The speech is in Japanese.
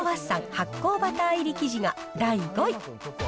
発酵バター入り生地が第５位。